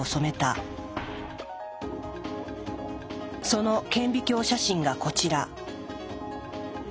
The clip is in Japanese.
その顕微鏡写真がこちら。